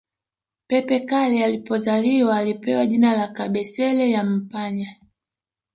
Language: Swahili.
Pepe Kalle alipozaliwa alipewa jina la Kabasele Yampanya